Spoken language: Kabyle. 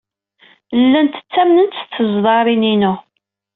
Llant ttamnent s teẓdarin-inu.